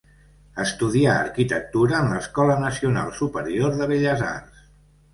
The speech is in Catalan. Estudià Arquitectura en l'Escola Nacional Superior de Belles Arts.